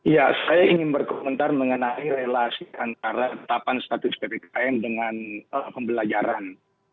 ya saya ingin berkomentar mengenai relasi antara tahapan status ppkm dengan pembelajaran